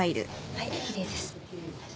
はいきれいです。